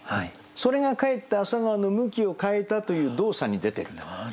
それがかえって朝顔の向きを変えたという動作に出てると。